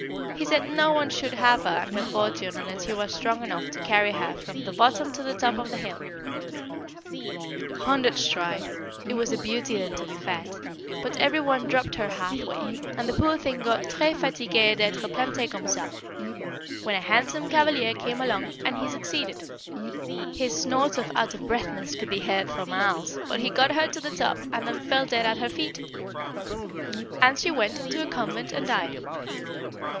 He said no one should have her and her fortune unless he was strong enough to carry her from the bottom to the top of the hill. Hundreds tried it was a beauty then to be fat but every one dropped her half way, and the poor thing got "très fatiguée d'être plantée comme ça," when a handsome cavalier came along, and he succeeded. His snorts of out of breathness could be heard for miles, but he got her to the top and then fell dead at her feet; and she went into a convent and died.